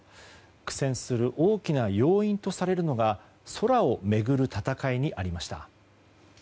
苦戦する大きな要因とされるのが空を巡る戦いにありました。